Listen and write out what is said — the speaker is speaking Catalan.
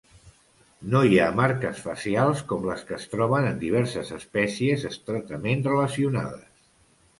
No hi ha marques facials com les que es troben en diverses espècies estretament relacionades.